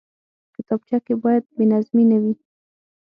کتابچه کې باید بېنظمي نه وي